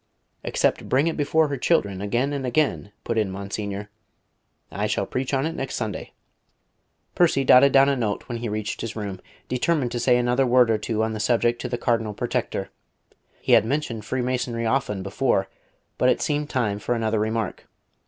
"Except bring it before her children again and again," put in Monsignor. "I shall preach on it next Sunday." Percy dotted down a note when he reached his room, determining to say another word or two on the subject to the Cardinal Protector. He had mentioned Freemasonry often before, but it seemed time for another remark.